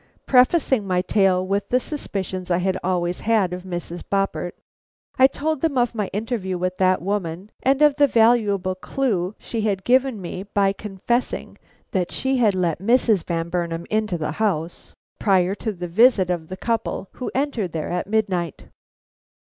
Prefacing my tale with the suspicions I had always had of Mrs. Boppert, I told them of my interview with that woman and of the valuable clue she had given me by confessing that she had let Mrs. Van Burnam into the house prior to the visit of the couple who entered there at midnight.